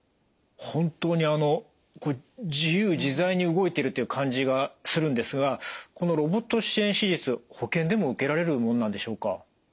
本当にあの自由自在に動いてるという感じがするんですがこのロボット支援手術保険でも受けられるものなんでしょうか？